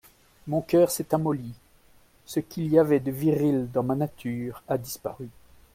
Mon coeur s'est amolli ; ce qu'il y avait de viril dans ma nature a disparu.